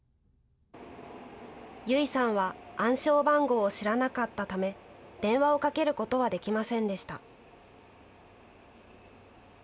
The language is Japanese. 結衣さんは暗証番号を知らなかったため電話をかけることはできませんでした。